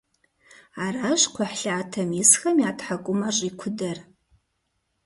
Аращ кхъухьлъатэм исхэм я тхьэкӏумэр щӏикудэр.